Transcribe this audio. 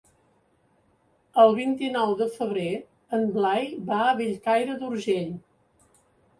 El vint-i-nou de febrer en Blai va a Bellcaire d'Urgell.